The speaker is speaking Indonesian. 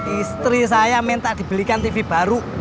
istri saya minta dibelikan tv baru